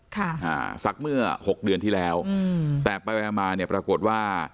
ค่ะอ่าสักเมื่อหกเดือนที่แล้วอืมแต่ไปไปมามาเนี่ยปรากฏว่า